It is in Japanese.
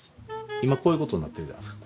今こういうことになってるじゃないですか。